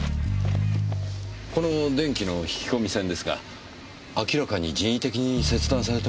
この電気の引き込み線ですが明らかに人為的に切断されてますね。